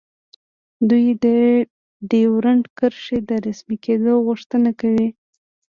دوی د ډیورنډ کرښې د رسمي کیدو غوښتنه کوي